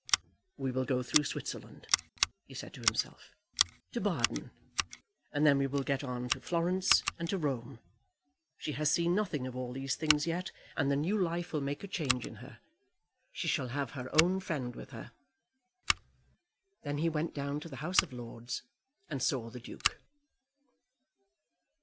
"We will go through Switzerland," he said to himself, "to Baden, and then we will get on to Florence and to Rome. She has seen nothing of all these things yet, and the new life will make a change in her. She shall have her own friend with her." Then he went down to the House of Lords, and saw the Duke.